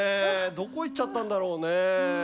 どこ行っちゃったんだろうね。